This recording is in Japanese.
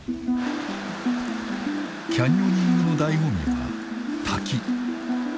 キャニオニングのだいご味は滝。